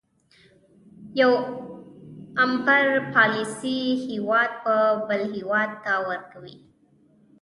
یو امپریالیستي هېواد بل هېواد ته پور ورکوي